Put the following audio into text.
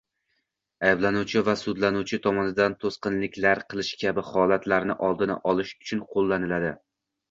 ayblanuvchi va sudlanuvchi tomonidan to‘sqinliklar qilish kabi holatlarni oldini olish uchun qo‘llaniladi.